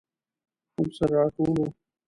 موږ سره راټول وو.